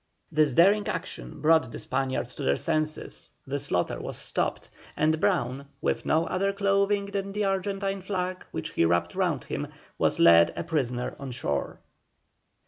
This daring action brought the Spaniards to their senses, the slaughter was stopped, and Brown, with no other clothing than the Argentine flag which he wrapped round him, was led a prisoner on shore.